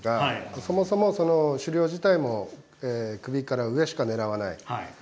そもそも狩猟自体も首から上しか狙わない。